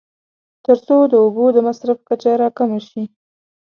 تر څو د اوبو د مصرف کچه راکمه شي.